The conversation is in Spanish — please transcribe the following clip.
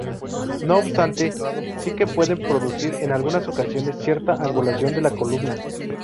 No obstante, sí que pueden producir en algunas ocasiones cierta angulación de la columna.